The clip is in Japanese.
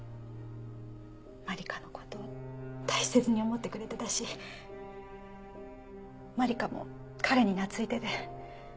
万理華の事大切に思ってくれてたし万理華も彼に懐いてて。